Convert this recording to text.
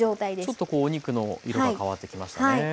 ちょっとお肉の色が変わってきましたね。